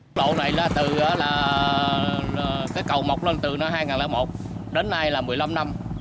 con lỗ này là từ cái cầu mọc lên từ hai nghìn một đến nay là một mươi năm năm